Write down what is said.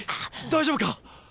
大丈夫か！？